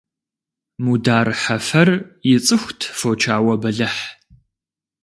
Мудар Хьэфэр ицӀыхут фочауэ бэлыхь.